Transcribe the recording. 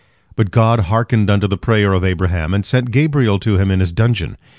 But God hearkened unto the prayer of Abraham, and sent Gabriel to him in his dungeon.